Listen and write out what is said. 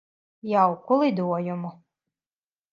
Jauku lidojumu.